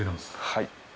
はい。